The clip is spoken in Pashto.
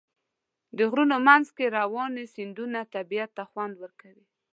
د غرونو منځ کې روانې سیندونه طبیعت ته خوند ورکوي.